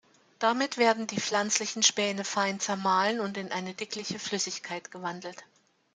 Damit werden die pflanzlichen Späne fein zermahlen und in eine dickliche Flüssigkeit gewandelt.